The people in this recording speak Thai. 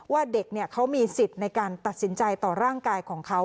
ว่าเด็กเขามีสิทธิ์ในการตัดสินใจต่อร่างกายของเขา